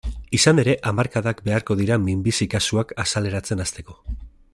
Izan ere, hamarkadak beharko dira minbizi kasuak azaleratzen hasteko.